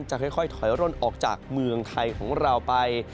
จะค่อยถอยร่นออกจากเมืองไทยของเราไป